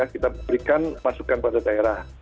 kita berikan masukan pada daerah